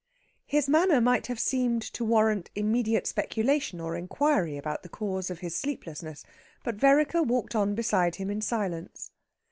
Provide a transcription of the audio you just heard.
His manner might have seemed to warrant immediate speculation or inquiry about the cause of his sleeplessness, but Vereker walked on beside him in silence.